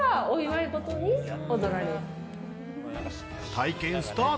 体験スタート。